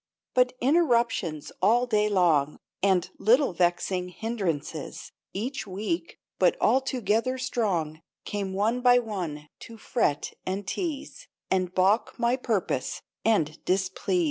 But interruptions all day long, And little vexing hindrances, Each weak, but all together strong, Came one by one to fret and tease, And balk my purpose, and displease.